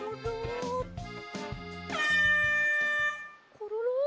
コロロ？